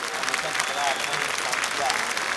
ہمیشہ کی طرح اپنا ہی نقصان کیا ۔